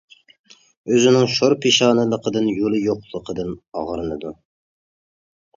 ئۆزىنىڭ «شور پېشانە» لىقىدىن، «يولى» يوقلۇقىدىن ئاغرىنىدۇ.